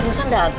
eh praktek banyak